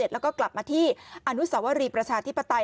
แล้วก็กลับมาที่อนุสวรีประชาธิปไตย